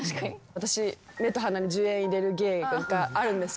私目と鼻に１０円入れる芸があるんです。